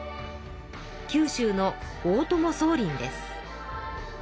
九州の大友宗麟です。